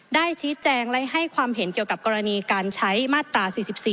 ได้ชี้แจงและให้ความเห็นเกี่ยวกับกรณีการใช้มาตรา๔๔